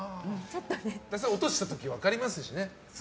落とした時に分かりますしね。